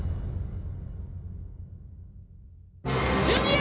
・ジュニア！